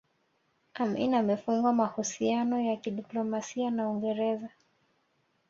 Amin amefungwa mahusiano ya kidiplomasia na Uingereza